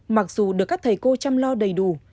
mặc dù được các thầy cô chăm lo đầy đủ